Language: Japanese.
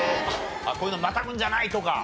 「こういうのをまたぐんじゃない！」とか？